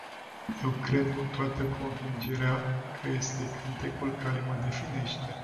Eu cred cu toată convingerea că este cântecul care mă definește.